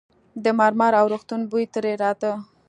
د مرمر او روغتون بوی ترې راته.